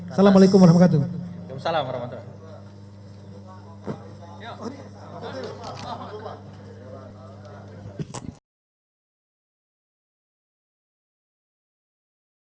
assalamualaikum warahmatullahi wabarakatuh